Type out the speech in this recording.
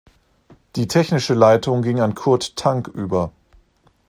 Die technische Leitung ging an Kurt Tank über.